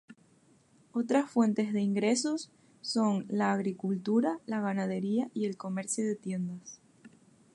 Otras fuentes de ingresos son la agricultura, la ganadería y el comercio de tiendas.